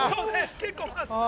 ◆結構。